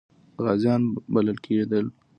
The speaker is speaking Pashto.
غازیان بلل کېدل.